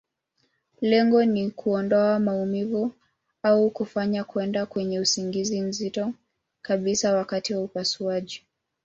Lengo ni kuondoa maumivu, au kufanya kwenda kwenye usingizi mzito kabisa wakati wa upasuaji.